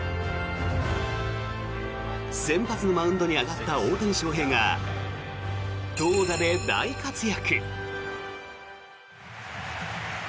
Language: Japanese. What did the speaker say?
先発のマウンドに上がった大谷翔平が投打で大活躍。